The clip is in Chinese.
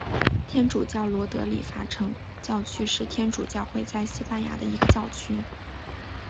天主教罗德里戈城教区是天主教会在西班牙的一个教区。